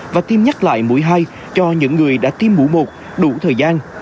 và tiêm nhắc lại mũi hai cho những người đã tiêm mũi một đủ thời gian